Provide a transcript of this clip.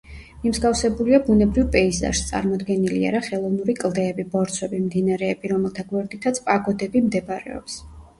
მიმსგავსებულია ბუნებრივ პეიზაჟს, წარმოდგენილია რა ხელოვნური კლდეები, ბორცვები, მდინარეები, რომელთა გვერდითაც პაგოდები მდებარეობს.